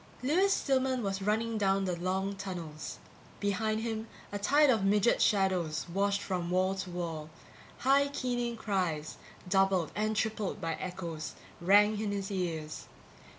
Lewis Stillman was running down the long tunnels. Behind him a tide of midget shadows washed from wall to wall; high keening cries, doubled and tripled by echoes, rang in his ears.